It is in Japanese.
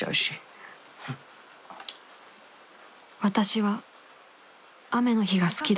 私は雨の日が好きだ